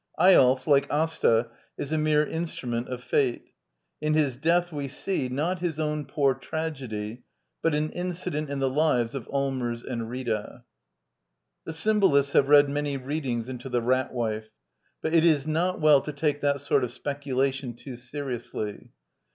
Eyolf ^ like^ gta, is a mere instniment^ofjate. In his death we^ see, not TGisown poor tragedy, but an incident llf^Ee lives of Allmers^and Rita. *—— '"The Symbolists have read many readings into the Rat Wife^ but it is not well to take that sort of speculation too seriously.